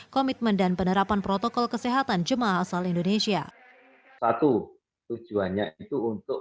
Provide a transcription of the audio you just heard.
komitmen dan penerapan protokol kesehatan jemaah asal indonesia satu tujuannya itu untuk